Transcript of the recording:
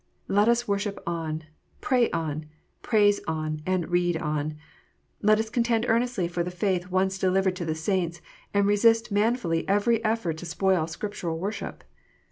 Let us worship on, pray on, praise on, and read on. Let us contend earnestly for the faith once delivered to the saints, and resist manfully every effort to spoil Scriptural worship.